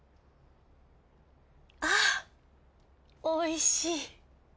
あおいしい。